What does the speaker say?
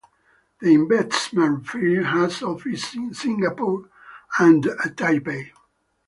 The investment firm has offices in Singapore and Taipei.